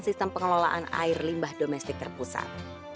sistem pengelolaan air limbah domestik terpusat